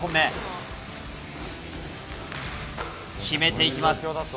決めていきます。